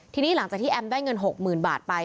ทีนี้หลังจากที่แอมได้เงิน๖๐๐๐บาทไป